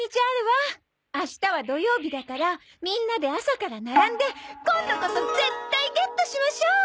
明日は土曜日だからみんなで朝から並んで今度こそ絶対ゲットしましょう！